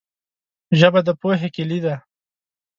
ژبه د پوهې کلي ده